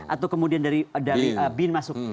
atau kemudian dari bin masuk